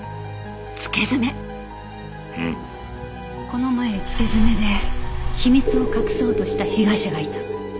この前付け爪で秘密を隠そうとした被害者がいた。